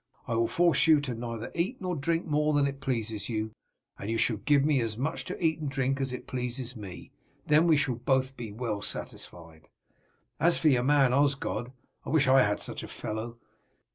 I will force you neither to eat nor to drink more than it pleases you, and you shall give me as much to eat and drink as it pleases me, then we shall be both well satisfied. As for your man Osgod, I wish I had such a fellow.